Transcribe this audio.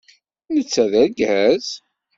Netta d argaz?